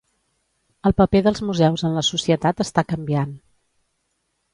El paper dels museus en la societat està canviant.